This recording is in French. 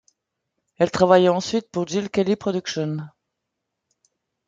Elle travailla ensuite pour Jill Kelly Production.